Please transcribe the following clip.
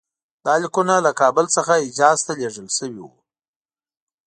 دا لیکونه له کابل څخه حجاز ته لېږل شوي وو.